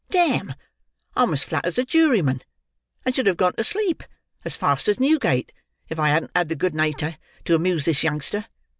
Damme, I'm as flat as a juryman; and should have gone to sleep, as fast as Newgate, if I hadn't had the good natur' to amuse this youngster.